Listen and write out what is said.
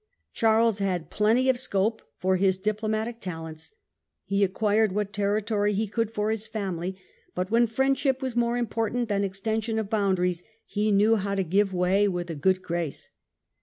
Charles had plenty of scope for his diplomatic talents. He acquired what territory he could for his family, but when friendship was more important than extension of boundaries, he knew how to give way with a good 24 THE END OF THE MIDDLE AGE grace.